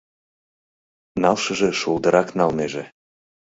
— Налшыже шулдырак налнеже.